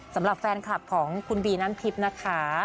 สำหรับแฟนคลับของคุณบีน้ำทิพย์นะคะ